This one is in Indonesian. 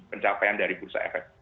pencapaian dari bursa efek